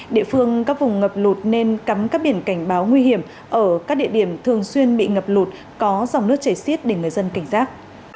địa phương các vùng ngập lụt nên cắm các biển cảnh báo nguy hiểm ở các địa điểm thường xuyên bị ngập lụt có dòng nước chảy xiết để người dân cảnh giác